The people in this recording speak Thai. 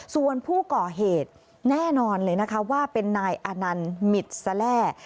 ส่วนผู้ก่อเหตุแน่นอนเลยนะคะว่าเป็นนายอานันต์มิดแสแล่